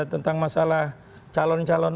tentang masalah calon calon